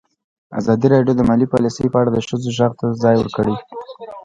ازادي راډیو د مالي پالیسي په اړه د ښځو غږ ته ځای ورکړی.